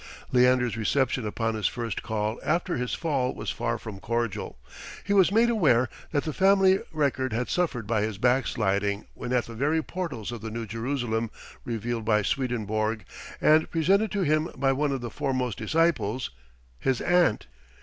Leander's reception upon his first call after his fall was far from cordial. He was made aware that the family record had suffered by his backsliding when at the very portals of the New Jerusalem revealed by Swedenborg and presented to him by one of the foremost disciples his aunt.